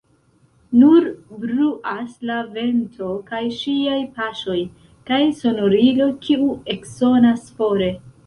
Nur bruas la vento kaj ŝiaj paŝoj, kaj sonorilo, kiu eksonas fore.